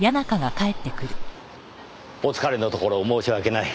お疲れのところ申し訳ない。